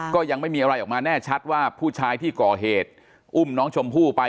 ก็ยังไม่มีอะไรออกมาแน่ชัดว่าผู้ชายที่ก่อเหตุอุ้มน้องชมพู่ไป